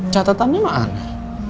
catetannya sama ana